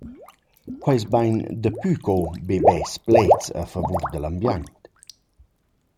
Quai es bain dapü co be bels pleds a favur da l’ambiaint.